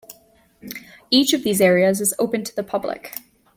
Each of these areas is open to the public.